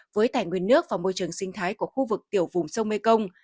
với tài nguyên nước và môi trường sinh thái của khu vực tiểu vùng sông mê công